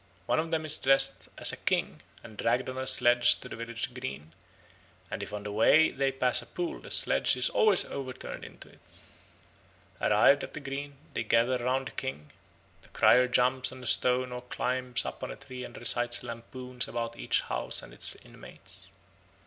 One of them is dressed as a king and dragged on a sledge to the village green, and if on the way they pass a pool the sledge is always overturned into it. Arrived at the green they gather round the king; the crier jumps on a stone or climbs up a tree and recites lampoons about each house and its inmates.